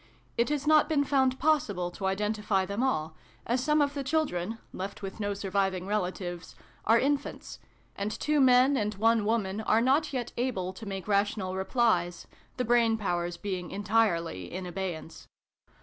It has not been found possible to identify them all, as some of the children left with no surviving relatives are infants ; and two men and one woman are not yet able to make rational replies, the brain powers being entirely in abeyance.